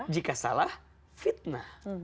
jika salah fitnah